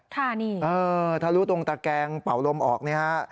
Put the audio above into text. ทะลุตรงตะแกงเป่าลมออกเนี่ยฮะ